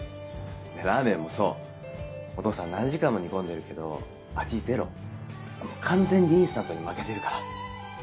ラーメンもそうお父さん何時間も煮込んでるけど味ゼロ完全にインスタントに負けてるから。